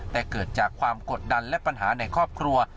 แต่เกิดจากความกดดันและปัญหาในครอบครัว